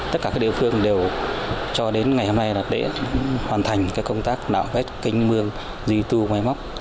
tất cả các địa phương đều cho đến ngày hôm nay là để hoàn thành các công tác đảo vết kinh mương duy tù máy móc